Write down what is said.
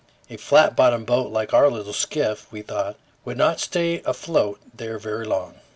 A flat bottomed boat like our little skiff, we thought, could not stay afloat there very long.